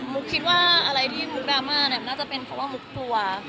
มุกคิดว่าอะไรที่มุกดราม่าน่าจะเป็นเพราะว่ามุกกลัว